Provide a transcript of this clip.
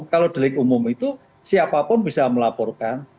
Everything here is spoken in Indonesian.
kalau delik umum itu siapapun bisa melaporkan